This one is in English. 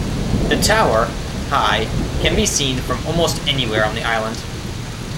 The tower, high, can be seen from almost anywhere on the island.